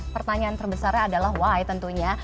pertanyaan terbesarnya adalah white tentunya